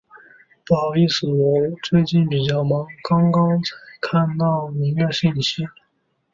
不好意思，我最近比较忙，刚刚才看到您的信息。